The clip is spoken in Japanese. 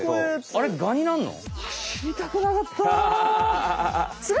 あれガになんの！？